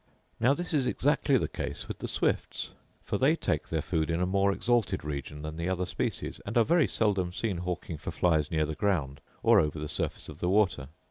Now this is exactly the case with the swifts; for they take their food in a more exalted region than the other species, and are very seldom seen hawking for flies near the ground, or over the surface of the water.